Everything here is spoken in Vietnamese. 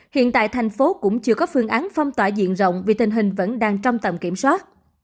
hiện tại thành phố cũng chưa có phương án phong tỏa diện rộng vì tình hình vẫn đang trong tầm kiểm soát